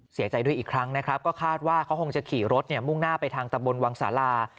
เสียใจด้วยอีกครั้งนะครับก็คาดว่าเขาคงจะขี่รถมุ่งหน้าไปทางตะบนวังสารา